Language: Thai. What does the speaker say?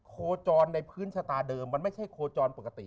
โคจรในพื้นชะตาเดิมมันไม่ใช่โคจรปกติ